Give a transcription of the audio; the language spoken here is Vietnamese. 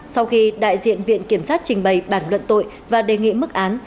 sau khi đại diện viện kiểm sát trình bày bản luận tội và đề nghị mức án